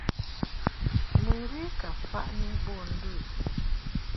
Mɨŋgwi ka faʼni bo ndu i.